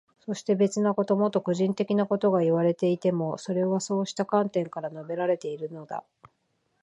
そして、別なこと、もっと個人的なことがいわれていても、それはそうした観点から述べられているのだ。